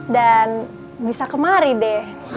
dan bisa kemari deh